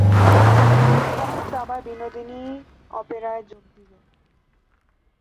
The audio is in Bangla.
কুমুদ আবার বিনোদিনী অপেরায় যোগ দিবে।